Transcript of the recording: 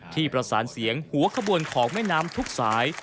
ที่ประสานเสียงหัวขบวนของแม่น้ำทุกสาย